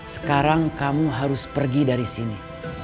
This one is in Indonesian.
sekarang kamu harus pergi dari sini